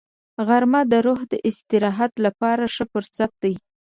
غرمه د روح د استراحت لپاره ښه فرصت دی